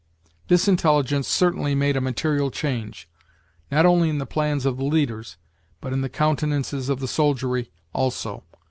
This intelligence certainly made a material change, not only in the plans of the leaders, but in the countenances of the soldiery also.